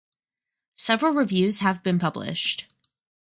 Several reviews have been published.